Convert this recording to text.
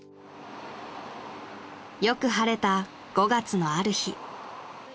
［よく晴れた５月のある日］